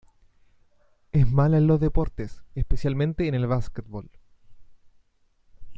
Es mala en los deportes, especialmente en el basketball.